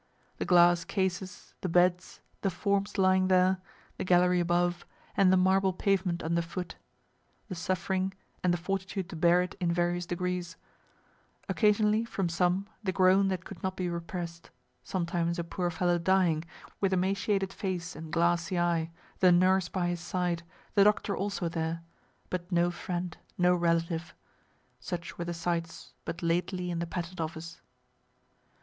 The glass cases, the beds, the forms lying there, the gallery above, and the marble pavement under foot the suffering, and the fortitude to bear it in various degrees occasionally, from some, the groan that could not be repress'd sometimes a poor fellow dying, with emaciated face and glassy eye, the nurse by his side, the doctor also there, but no friend, no relative such were the sights but lately in the Patent office.